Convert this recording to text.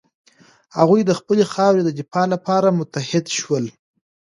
هغوی د خپلې خاورې د دفاع لپاره متحد شول.